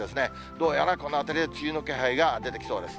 どうやらこのあたりで梅雨の気配が出てきそうです。